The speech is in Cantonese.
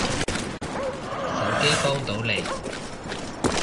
手機幫到你